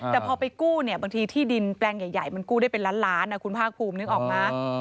แต่พอไปกู้เนี่ยบางทีที่ดินแปลงใหญ่มันกู้ได้เป็นล้านล้านนะคุณภาคภูมินึกออกมา